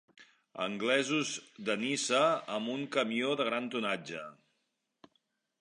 Anglesos de Niça amb un camió de gran tonatge.